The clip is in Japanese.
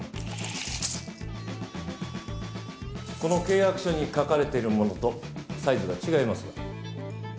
この契約書に書かれているものとサイズが違いますが。